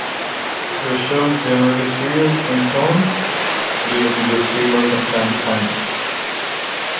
The show is generally serious in tone, leavened with humor from time to time.